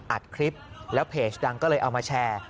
อัดคลิปแล้วเพจดังก็เลยเอามาแชร์